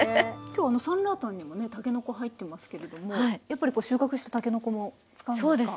今日サンラータンにもねたけのこ入ってますけれどもやっぱり収穫したたけのこも使うんですか？